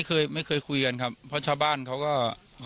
ลุงพลบอกว่ามันก็เป็นการทำความเข้าใจกันมากกว่าเดี๋ยวลองฟังดูค่ะ